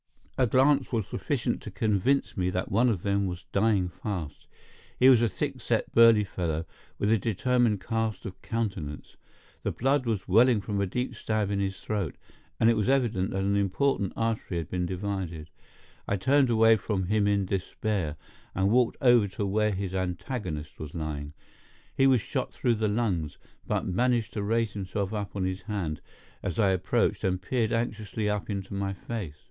A glance was sufficient to convince me that one of them was dying fast. He was a thick set burly fellow, with a determined cast of countenance. The blood was welling from a deep stab in his throat, and it was evident that an important artery had been divided. I turned away from him in despair, and walked over to where his antagonist was lying. He was shot through the lungs, but managed to raise himself up on his hand as I approached, and peered anxiously up into my face.